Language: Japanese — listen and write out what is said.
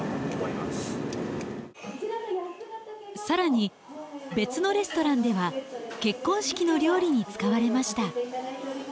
さらに別のレストランでは結婚式の料理に使われました。